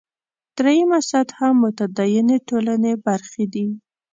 درېیمه سطح متدینې ټولنې برخې دي.